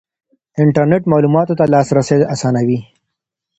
انټرنېټ معلوماتو ته لاسرسی اسانوي.